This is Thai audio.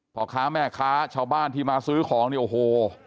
พ่อค้าแม่ค้าชาวบ้านที่มาซื้อของเนี่ยโอ้โห